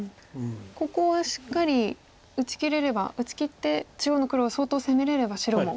ここはしっかり打ちきれれば打ちきって中央の黒を相当攻めれれば白も。